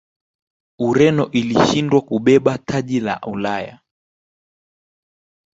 ureno ilishindwa kubeba taji la ulaya